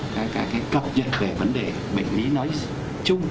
ngay cả cái cập nhật về vấn đề bệnh lý nói chung